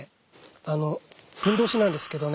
あのふんどしなんですけどね。